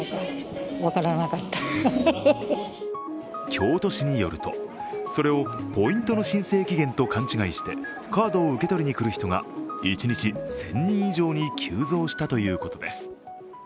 京都市によると、それをポイントの申請期限と勘違いしてカードを受け取りに来る人が１日１０００人以上に急増したということです。